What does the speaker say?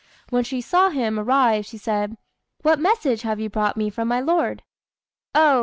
When she saw him arrive, she said "What message have you brought me from my lord?" "Oh!